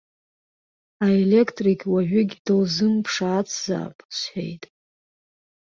Аелектрик уажәыгь дылзымԥшаацзаап, сҳәеит.